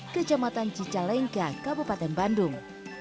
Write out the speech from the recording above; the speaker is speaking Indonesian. kejamatan cicalengka kabupaten bandung